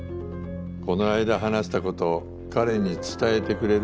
この間話したこと彼に伝えてくれる？